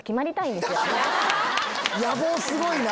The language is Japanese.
野望すごいな。